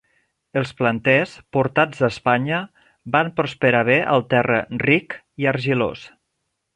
Els planters, portats d'Espanya, van prosperar bé al terra ric i argilós.